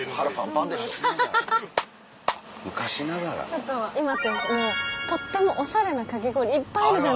ちょっと今ってとってもおしゃれなかき氷いっぱいあるじゃないですか。